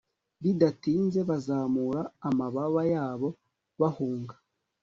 bidatinze bazamura amababa yabo bahunga